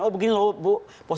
oh begini loh